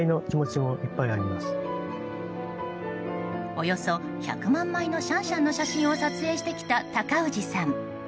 およそ１００万枚のシャンシャンの写真を撮影してきた高氏さん。